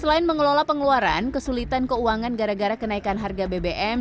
selain mengelola pengeluaran kesulitan keuangan gara gara kenaikan harga bbm